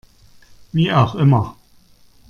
Wie auch immer.